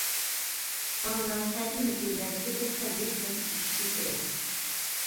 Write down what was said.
بالىلار تەتىل مەزگىلىدە كۆپرەك تەبىئەت بىلەن ئۇچرىشىشى كېرەك.